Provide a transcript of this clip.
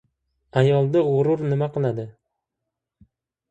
Ayolda g‘urur nima qiladi?"